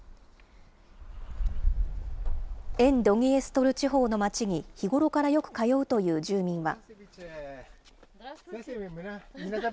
沿ドニエストル地方の町に日頃からよく通うという住民は。